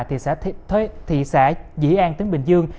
thị xã thị xã dĩ an tướng bình dương